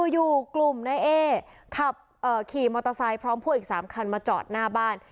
อยู่กลุ่มนายเอขับขี่มอเตอร์ไซค์พร้อมพวกอีก๓คันมาจอดหน้าบ้าน